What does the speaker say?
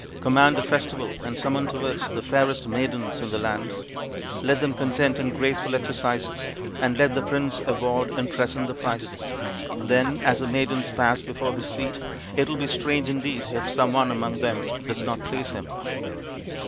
Command a festival and summon to it the fairest maidens in the land. Let them contend in graceful exercises, and let the prince award and present the prizes. Then as the maidens pass before his seat it will be strange indeed if some one among them does not please him."